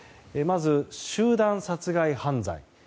まず、集団殺害犯罪。